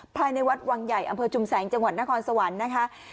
ภายในวัดวังใหญ่อำเภอชุมแสงจังหวัดนครสวรรค์นะคะ